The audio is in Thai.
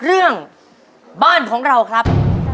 ตามบ้านของเราครับ